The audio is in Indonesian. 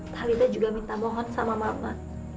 talinda juga minta mohon sama mama